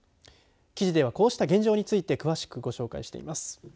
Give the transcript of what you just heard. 記事では、こうした現状について詳しくご紹介しています。